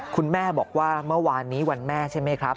คุณแม่บอกว่าเมื่อวานนี้วันแม่ใช่ไหมครับ